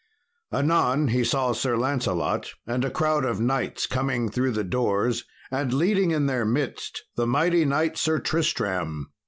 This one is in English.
Anon he saw Sir Lancelot and a crowd of knights coming through the doors and leading in their midst the mighty knight, Sir Tristram.